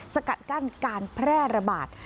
สกัดกั้นการแพร่ระบาด